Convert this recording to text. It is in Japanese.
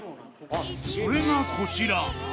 それがこちら。